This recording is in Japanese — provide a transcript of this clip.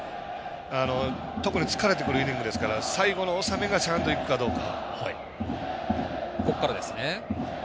特に疲れてくるイニングですから最後の収めがちゃんといくかどうか。